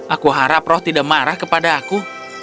aku harap roh tidak marah kepada aku